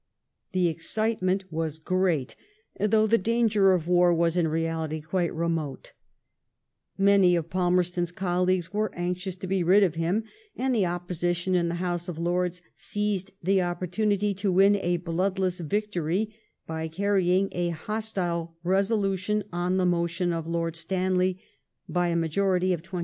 The excitement was great, though the danger of war was in reality quite remote ; many of Palmerston's colleagues were anxioua to be rid of him, and the Opposition in the House of Lords seized the opportunity to win a bloodless victory by carrying a hostile resolution on the motion of Lord Stanley by a majority of 27.